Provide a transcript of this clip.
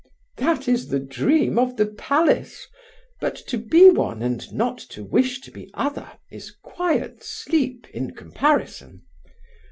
"That is the dream of the palace. But to be one, and not to wish to be other, is quiet sleep in comparison."